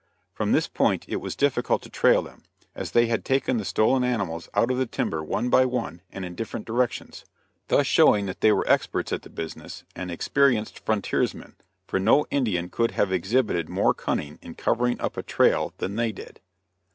From this point it was difficult to trail them, as they had taken the stolen animals out of the timber one by one and in different directions, thus showing that they were experts at the business and experienced frontiersmen, for no Indian could have exhibited more cunning in covering up a trail than did they.